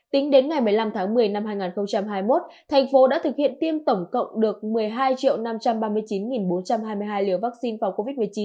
tính đến ngày một mươi năm tháng một mươi năm hai nghìn hai mươi một thành phố đã thực hiện tiêm tổng cộng được một mươi hai năm trăm ba mươi chín bốn trăm hai mươi hai liều vaccine phòng covid một mươi chín